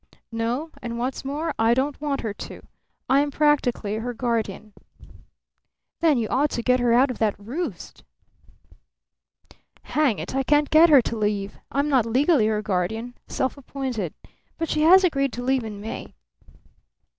"No. And what's more, I don't want her to. I am practically her guardian." "Then you ought to get her out of that roost." "Hang it, I can't get her to leave. I'm not legally her guardian; self appointed. But she has agreed to leave in May."